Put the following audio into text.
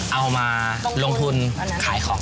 เอามาลงทุนขายของ